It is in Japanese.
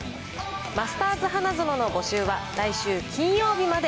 マスターズ花園の募集は来週金曜日まで。